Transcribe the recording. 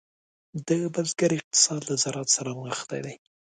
د بزګر اقتصاد له زراعت سره نغښتی دی.